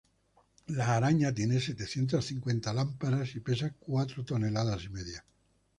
La araña tiene setecientas cincuenta lámparas y pesa cuatro toneladas y media.